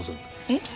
えっ？